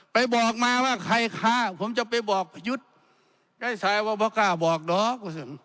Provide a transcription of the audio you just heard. ไปบอกมาว่าใครคะผมจะไปบอกหยุดยายสายวบก้าบอกหรอก